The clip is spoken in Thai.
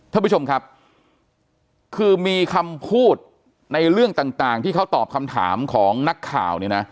ท่านผู้ชมครับคือมีคำพูดในเรื่องต่างที่เขาตอบคำถามของนักข่าวเนี่ยนะ